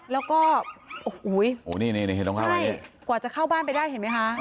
แล้วก็โอ้โฮว่าจะเข้าบ้านไปได้เห็นไหมคะ